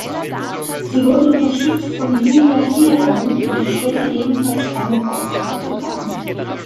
Sie wurden unterstützt von Julia Heron, die später ebenfalls einen Oscar bekam.